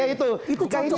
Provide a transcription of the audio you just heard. itu cocok banget